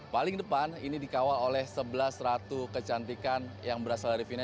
paling depan ini dikawal oleh sebelas ratu kecantikan yang berasal dari fina